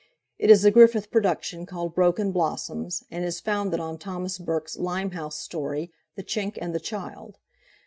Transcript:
It is a Griffith production called "Broken Blossoms," and is founded on Thomas Burke's Limehouse story "The Chink and the Child."